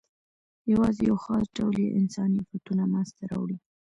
یواځې یو خاص ډول یې انساني آفتونه منځ ته راوړي.